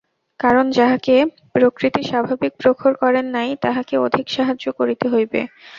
কারণ যাহাকে প্রকৃতি স্বাভাবিক প্রখর করেন নাই তাহাকে অধিক সাহায্য করিতে হইবে।